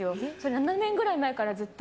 ７年前くらいからずっと。